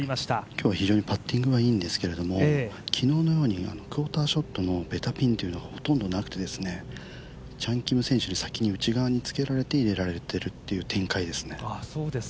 今日は非常にパッティングはいいんですけども、昨日のようにクオーターショットのベタピンはなくて、チャン・キム選手に先につけられて入れられているという展開ですね。